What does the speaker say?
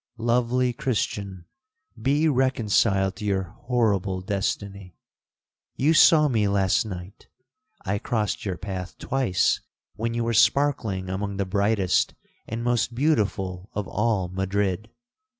'—'Lovely Christian! be reconciled to your horrible destiny. You saw me last night—I crossed your path twice when you were sparkling among the brightest and most beautiful of all Madrid.